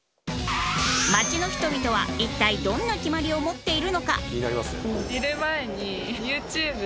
街の人々は一体どんなキマリを持っているのか？